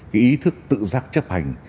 cái ý thức tự giác chấp hành